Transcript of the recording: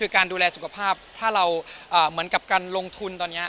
การดูแลสุขภาพเหมือนกับการลงทุนตอนนี้